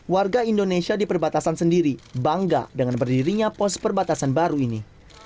warga indonesia di perbatasan sendiri bangga dengan berdirinya pos perbatasan baru ini